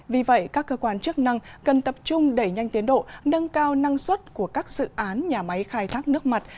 vì vậy các cơ quan chức năng cần tập trung đẩy nhanh tiến độ nâng cao năng suất của các dự án nhà máy khai thác nước mặt